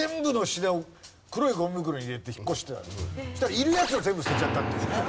そしたらいるやつを全部捨てちゃったっていう。